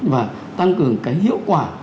và tăng cường cái hiệu quả